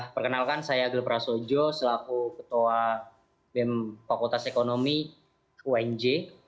perkenalkan saya agil prasojo selaku ketua fakultas ekonomi unj